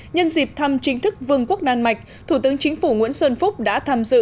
nhân dịp thăm chính thức vương quốc đan mạch thủ tướng chính phủ nguyễn xuân phúc đã tham dự